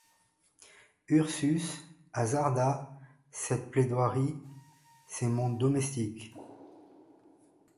Ursus hasarda cette plaidoirie :— C’est mon domestique.